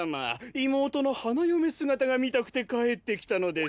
いもうとのはなよめすがたがみたくてかえってきたのですかな？